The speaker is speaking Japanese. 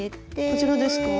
こちらですか？